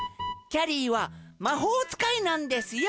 ゃりーはまほうつかいなんですよ。